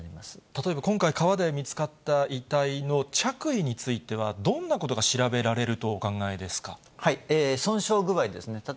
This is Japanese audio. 例えば今回、川で見つかった遺体の着衣については、どんなことが調べられると損傷具合ですね。